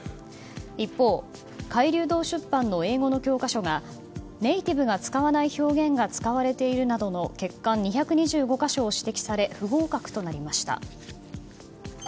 一方開隆堂出版の英語の教科書がネイティブが使わない表現が使われているなどの欠陥２２５か所を指摘され不合格となりました。